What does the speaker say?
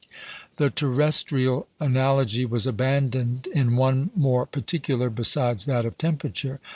The terrestrial analogy was abandoned in one more particular besides that of temperature.